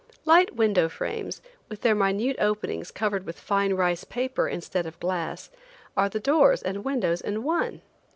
Light window frames, with their minute openings covered with fine rice paper instead of glass, are the doors and windows in one.